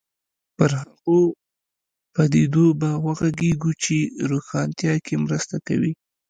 پر هغو پدیدو به وغږېږو چې روښانتیا کې مرسته کوي.